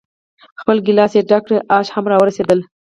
خپل ګیلاس یې ډک کړ، آش هم را ورسېدل.